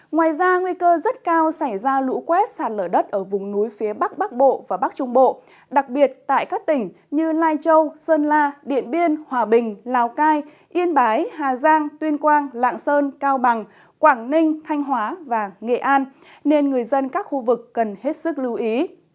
ngoài ra nguy cơ rất cao xảy ra lũ quét sạt lở đất ở vùng núi phía bắc bắc bộ và bắc trung bộ đặc biệt tại các tỉnh như lai châu sơn la điện biên hòa bình lào cai yên bái hà giang tuyên quang lạng sơn cao bằng quảng ninh thanh hóa và nghệ an nên người dân các khu vực cần hết sức lưu ý